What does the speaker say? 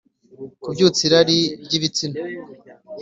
Kubyutsa irari ry ibitsina